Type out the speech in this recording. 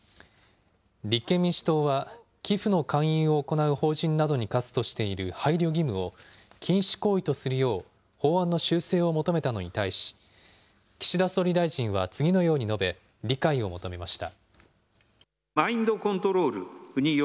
立憲民主党は、寄付の勧誘を行う法人などに課すとしている配慮義務を禁止行為とするよう、法案の修正を求めたのに対し、岸田総理大臣は次のように述べ、理解を求めました。